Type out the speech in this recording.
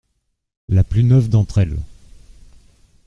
La plus neuve d’entre elles.